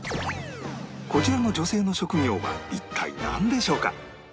こちらの女性の職業は一体なんでしょうか？